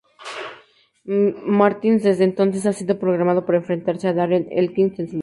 Martins desde entonces ha sido programado para enfrentarse a Darren Elkins en su lugar.